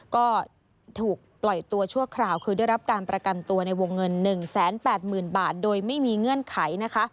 ก็ถูกปล่อยตัวชั่วคราวคือได้รับการประกันตัวในวงเงิน๑๘๐๐๐บาทโดยไม่มีเงื่อนไขนะคะ